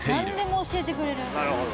何でも教えてくれる。